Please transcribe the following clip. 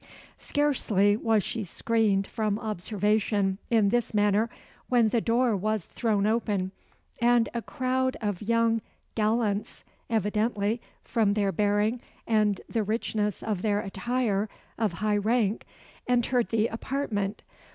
Scarcely was she screened from observation in this manner, when the door was thrown open, and a crowd of young gallants evidently, from their bearing and the richness of their attire, of high rank entered the apartment.